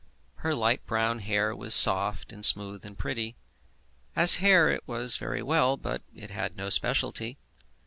Her light brown hair was soft and smooth and pretty. As hair it was very well, but it had no speciality.